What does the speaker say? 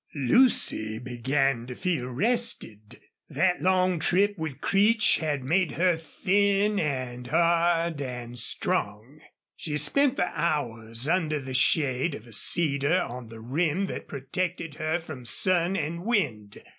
Lucy began to feel rested. That long trip with Creech had made her thin and hard and strong. She spent the hours under the shade of a cedar on the rim that protected her from sun and wind.